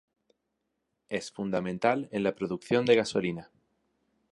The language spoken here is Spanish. Es fundamental en la producción de gasolina.